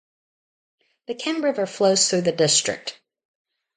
The Ken River flows through the district.